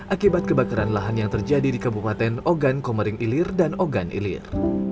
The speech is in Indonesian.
akibat kebakaran lahan yang terjadi di kabupaten ogan komering ilir dan ogan ilir